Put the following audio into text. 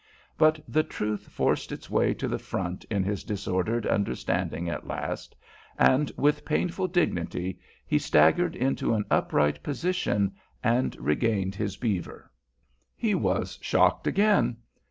But the truth forced its way to the front in his disordered understanding at last, and with painful dignity he staggered into an upright position, and regained his beaver. He was shocked again.